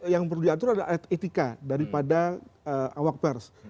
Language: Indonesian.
yang perlu diatur adalah etika daripada awak pers